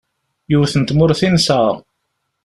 Yiwet n tmurt i nesɛa.